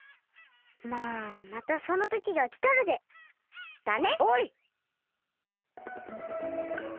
まあまたそのときがきたらで。だね。おい！